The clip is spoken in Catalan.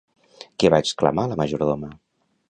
Què va exclamar la majordoma?